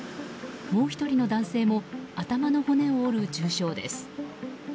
もう１人の男性も頭の骨を折る重傷です。